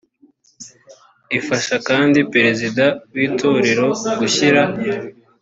ifasha kandi prezida w itorero gushyira